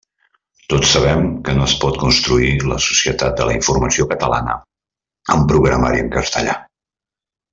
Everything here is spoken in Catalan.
Tots sabem que no es pot construir la Societat de la Informació catalana amb programari en castellà.